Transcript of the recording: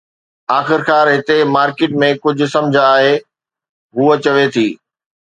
آخرڪار هتي مارڪيٽ ۾ ڪجهه سمجھ آهي، هوء چوي ٿي